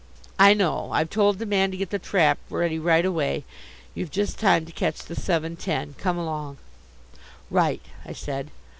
"I know. I've told the man to get the trap ready right away. You've just time to catch the seven ten. Come along." "Right," I said.